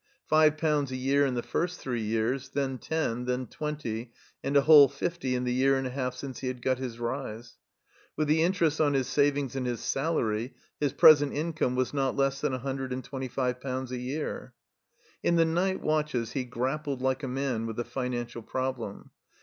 Five pounds a year in the first three years, then ten, then twenty, and a whole fifty in the year and a half since he had got his rise. With the interest on his savings and his salary, his present income was not less than a hundred and twenty five potmds a year. In the night watches he grappled like a man with the financial problem.